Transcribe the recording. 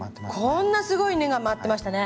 こんなすごい根が回ってましたね。